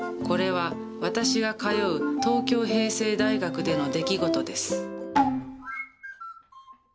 これは私が通う東京平成大学での出来事です。